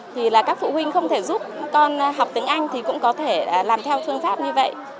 thì là các phụ huynh không thể giúp con học tiếng anh thì cũng có thể làm theo phương pháp như vậy